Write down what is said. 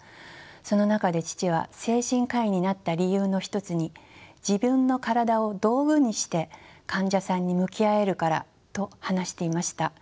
その中で父は精神科医になった理由の一つに自分の体を道具にして患者さんに向き合えるからと話していました。